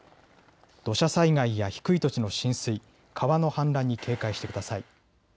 土砂災害や低い土地の浸水、川の氾濫に警戒してください。